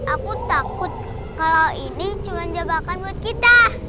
aku takut kalau ini cuma jebakan buat kita